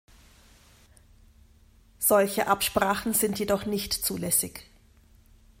Solche Absprachen sind jedoch nicht zulässig.